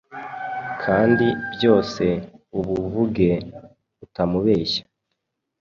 kandi byose ubuvuge utamubeshya